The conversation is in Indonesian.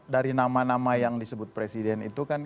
dari nama nama yang disebut presiden itu kan